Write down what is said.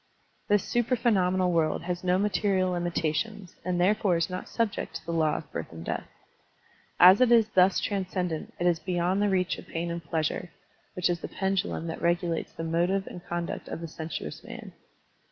This supra phenomenal world has no material limitations and therefore is not subject to the law of birth and death. As it is thus transcen dent, it is beyond the reach of pain and pleasure, which is the pendtilum that regulates the motive and conduct of the sensuous man.